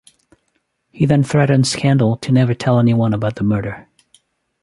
He then threatens Kendal to never tell anyone about the murder.